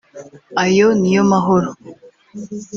ayo niyo mahoro